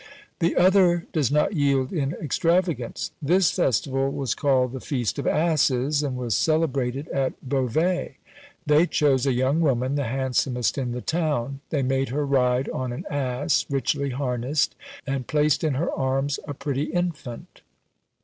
The other does not yield in extravagance. "This festival was called the Feast of Asses, and was celebrated at Beauvais. They chose a young woman, the handsomest in the town; they made her ride on an ass richly harnessed, and placed in her arms a pretty infant.